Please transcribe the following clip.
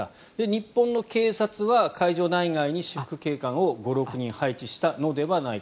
日本の警察は会場内外に私服警官を５６人配置したのではないか。